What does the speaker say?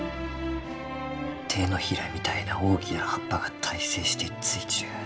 手のひらみたいな大きな葉っぱが対生してついちゅう。